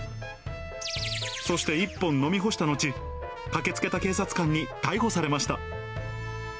そして１本飲み干した後、駆けつけた警察官に逮捕されました。